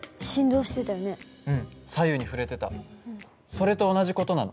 それと同じ事なの？